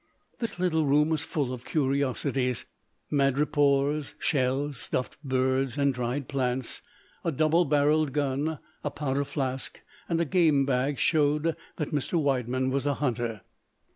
This little room was full of curiosities, madrepores, shells, stuffed birds, and dried plants; a double barrelled gun, a powder flask, and a game bag showed that Mr. Widemann was a hunter.